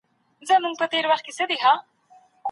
هر کتاب د نوي فکر لاره پرانیزي.